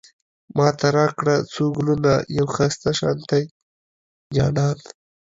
ماته راکړه څو ګلونه، يو ښايسته شانتی جانان